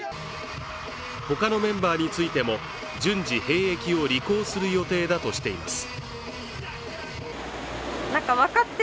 他のメンバーについても順次兵役を履行する予定だとしています。